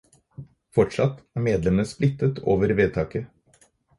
Fortsatt er medlemmene splittet over vedtaket.